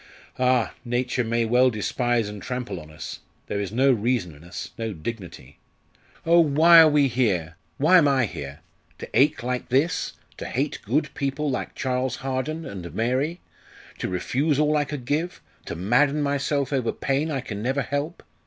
Ah! Nature may well despise and trample on us; there is no reason in us no dignity! Oh, why are we here why am I here to ache like this to hate good people like Charles Harden and Mary to refuse all I could give to madden myself over pain I can never help?